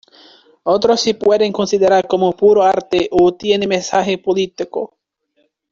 Otros se pueden considerar como puro arte o tienen mensaje político.